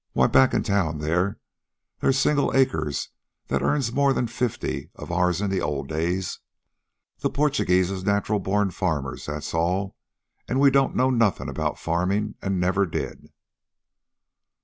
Why, back in town there, there's single acres that earns more than fifty of ours in the old days. The Porchugeeze is natural born farmers, that's all, an' we don't know nothin' about farmin' an' never did."